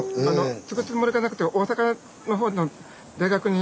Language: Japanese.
継ぐつもりがなくて大阪の方の大学に。